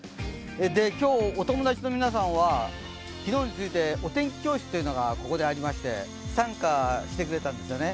今日、お友達の皆さんは昨日に続いてお天気教室がありまして、参加してくれたんですよね。